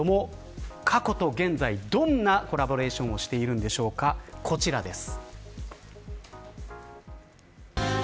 過去と現在、どんなコラボレーションをしているのでしょうかこちらです。